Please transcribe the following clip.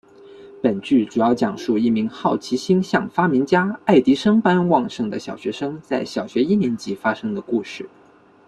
本剧主要讲述一名好奇心像发明家爱迪生般旺盛的小学生在小学一年级发生的故事。